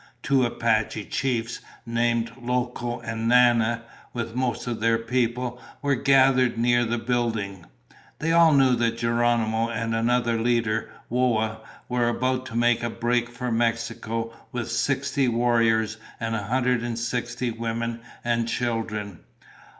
Two Apache chiefs named Loco and Nana, with most of their people, were gathered near the building. They all knew that Geronimo and another leader, Whoa, were about to make a break for Mexico with sixty warriors and a hundred and sixty women and children.